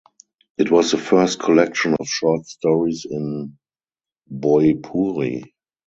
It was the first collection of short stories in Bhojpuri.